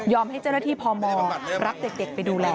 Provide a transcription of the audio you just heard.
ให้เจ้าหน้าที่พมรับเด็กไปดูแล